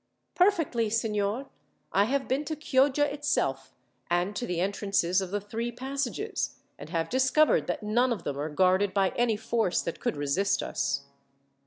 "Perfectly, signor. I have been to Chioggia itself, and to the entrances of the three passages, and have discovered that none of them are guarded by any force that could resist us."